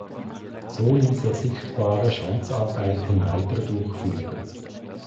So ließ er sichtbare Schanzarbeiten weiter durchführen.